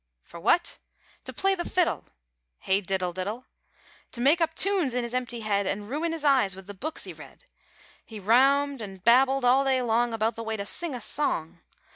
For what! To play the fiddle! 'Hey diddle diddle!' To make up tunes in his empty head An' ruin his eyes wi' the books he read! He raumed an' babbled all day long About the way to sing a song!